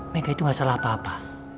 mereka itu gak salah apa apa